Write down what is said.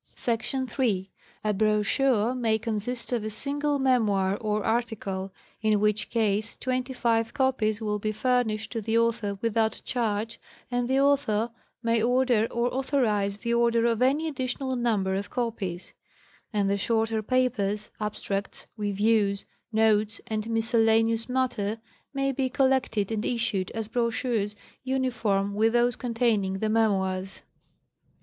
Sec. 3. A brochure may consist of a smgle memoir or article, in which case twenty five copies will be furnished to the author without charge, and the author may order or authorize the order of any additional number of copies; and the shorter papers, abstracts, reviews, notes and miscellaneous matter may be col lected and issued as brochures uniform with those containing the memoirs.